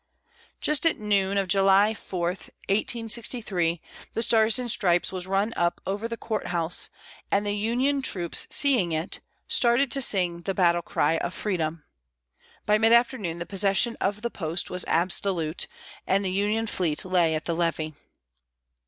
Just at noon of July 4, 1863, the Stars and Stripes was run up over the court house, and the Union troops, seeing it, started to sing "The Battle Cry of Freedom." By mid afternoon the possession of the post was absolute and the Union fleet lay at the levee.